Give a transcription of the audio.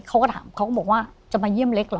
เขาก็ถามเขาก็บอกว่าจะมาเยี่ยมเล็กเหรอ